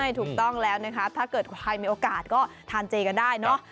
ถูกต้องแล้วนะคะถ้าเกิดใครมีโอกาสก็ทานเจกันได้เนอะ